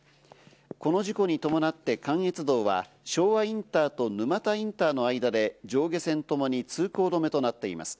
この事故に伴って関越道は昭和インターと沼田インターの間で上下線ともに通行止めとなっています。